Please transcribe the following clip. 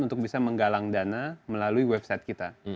untuk bisa menggalang dana melalui website kita